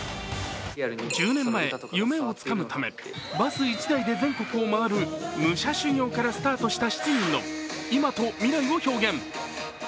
１０年前、夢をつかむためバス１台で全国を回る夢者修行からスタートした７人の今と未来を表現。